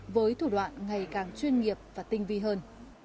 với thủ đoạn ngày càng chuyên nghiệp và tinh vi hơn